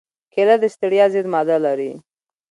کېله د ستړیا ضد ماده لري.